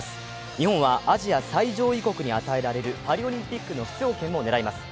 日本はアジア最上位国に与えられるパリオリンピックの出場権を狙います。